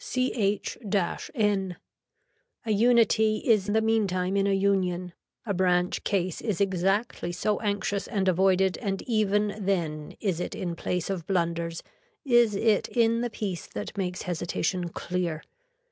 CH N. A unity is the meantime in a union. A branch case is exactly so anxious and avoided and even then is it in place of blunders, is it in the piece that makes hesitation clear.